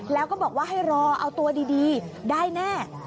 แล้วก็บอกว่าให้รอเอาตัวดีได้แน่